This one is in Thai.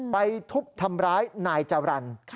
ไปทุบทำร้ายนายจรรย์